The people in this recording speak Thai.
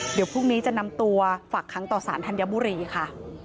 เดี๋ยวพรุ่งนี้จะนำตัวฝากค้างต่อสารธัญบุรีค่ะ